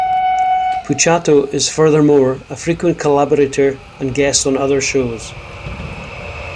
Puciato is furthermore a frequent collaborator, and guest on other shows.